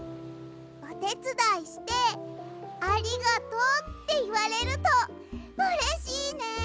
おてつだいして「ありがとう」っていわれるとうれしいね。